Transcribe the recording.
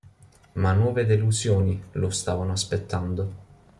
Ma nuove delusioni lo stavano aspettando.